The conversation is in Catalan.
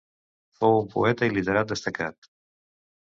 Fou un poeta i literat destacat.